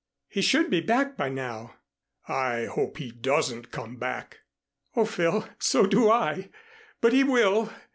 "He should be back by now." "I hope he doesn't come back." "Oh, Phil, so do I but he will.